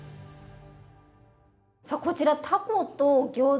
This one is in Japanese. さあこちらタコとギョーザ。